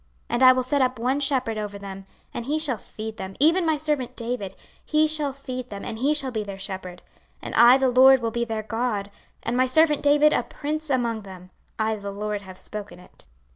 26:034:023 And I will set up one shepherd over them, and he shall feed them, even my servant David; he shall feed them, and he shall be their shepherd. 26:034:024 And I the LORD will be their God, and my servant David a prince among them; I the LORD have spoken it.